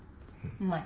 うまい。